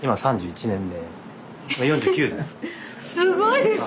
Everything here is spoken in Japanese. すごいです！